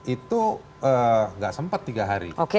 itu nggak sempat tiga hari